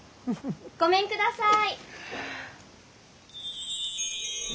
ごめんください。